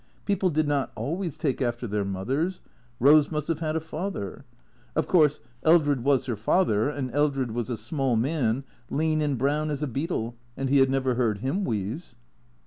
People did not always take after their mothers. Rose must have had a father. Of course, Eldred was 24 THE CREA TOES her father; and Eldred was a small man, lean and brown as a beetle; and he had never heard him wheeze.